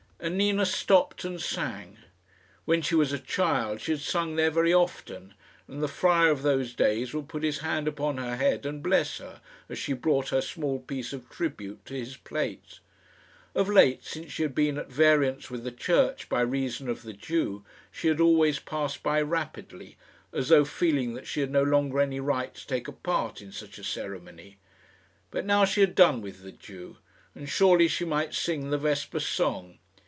And Nina stopped and sang. When she was a child she had sung there very often, and the friar of those days would put his hand upon her head and bless her, as she brought her small piece of tribute to his plate. Of late, since she had been at variance with the Church by reason of the Jew, she had always passed by rapidly, as though feeling that she had no longer any right to take a part in such a ceremony. But now she had done with the Jew, and surely she might sing the vesper song.